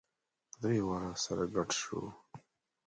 درې واړه سره ګډ شوو.